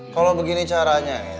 kalo begini caranya